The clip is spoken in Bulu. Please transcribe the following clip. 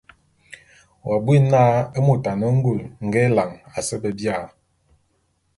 W'abuni na môt a ne ngul nge élan à se be bia?